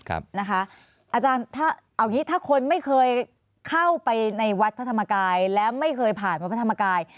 อาจารย์ถ้าเอาอย่างนี้ถ้าคนไม่เคยเข้าไปในวัดพระธรรมกายและไม่เคยผ่านวัดพระธรรมกาย